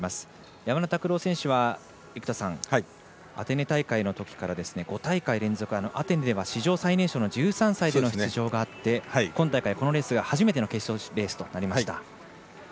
山田拓朗選手はアテネ大会のときから５大会連続アテネでは史上最年少１３歳での出場があって今大会このレースが初めての決勝レースとなりました。